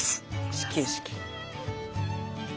始球式。